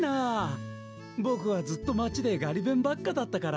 ボクはずっとまちでガリべんばっかだったから。